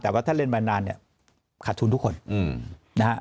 แต่ว่าถ้าเล่นมานานเนี่ยขาดทุนทุกคนนะฮะ